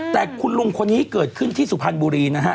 แต่คุณลุงคนนี้เกิดขึ้นที่สุพรรณบุรีนะฮะ